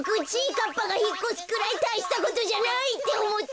かっぱがひっこすくらいたいしたことじゃないっておもってた。